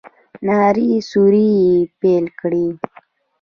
نارې سورې يې پيل کړې.